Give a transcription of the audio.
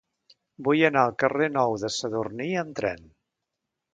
Vull anar al carrer Nou de Sadurní amb tren.